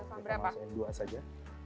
kita masukin dua saja